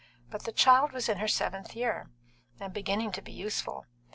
But the child was in her seventh year and beginning to be useful.